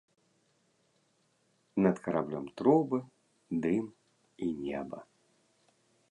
Над караблём трубы, дым і неба.